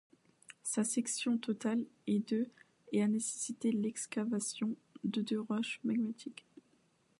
Sa section totale est de et a nécessité l'excavation de de roche magmatique.